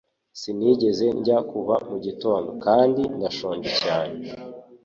Sinigeze ndya kuva mu gitondo kandi ndashonje cyane